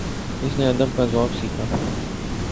اس نے ادب کا ذوق سیکھا